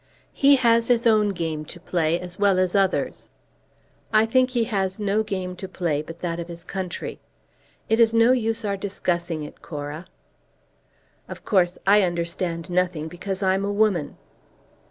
"He has his own game to play as well as others." "I think he has no game to play but that of his country. It is no use our discussing it, Cora." "Of course I understand nothing, because I'm a woman."